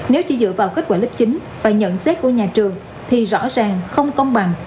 nếu chỉ dựa vào kết quả lớp chín và nhận xét của nhà trường thì rõ ràng không công bằng